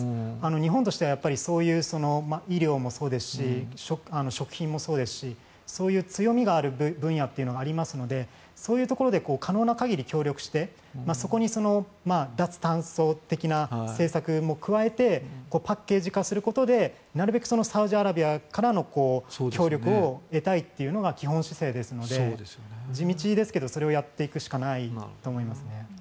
日本としては医療もそうですし食品もそうですしそういう強みがある分野というのはありますので、そういうところで可能な限り協力してそこに脱炭素的な政策も加えてパッケージ化することでなるべくサウジアラビアからの協力を得たいというのが基本姿勢ですので地道ですけどそれをやっていくしかないと思いますね。